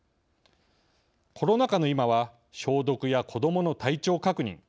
コロナ禍の今は消毒や子どもの体調確認